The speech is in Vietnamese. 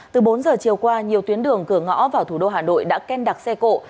từ bốn giờ chiều qua nhiều tuyến đường cửa ngõ vào thủ đô hà nội đã ken đặc xe cộ